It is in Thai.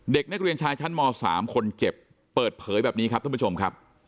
เด็กนักเรียนชายชั้นม๓คนเจ็บเปิดเผยแบบนี้ครับท่านผู้ชมครับ